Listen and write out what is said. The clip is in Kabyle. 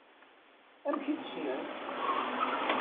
Amek i tt-ssnen?